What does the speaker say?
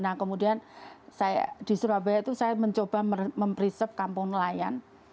nah kemudian di surabaya itu saya mencoba mem reserve kampung nelayan